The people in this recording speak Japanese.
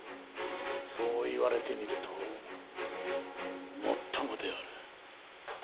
そう言われてみるともっともである。